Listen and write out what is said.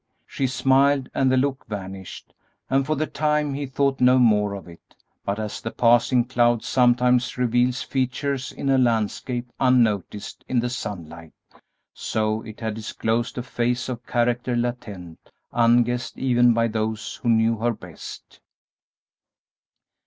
She smiled, and the look vanished, and for the time he thought no more of it, but as the passing cloud sometimes reveals features in a landscape unnoticed in the sunlight, so it had disclosed a phase of character latent, unguessed even by those who knew her best.